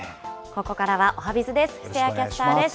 ここからはおはＢｉｚです。